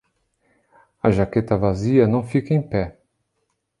A jaqueta vazia não fica em pé.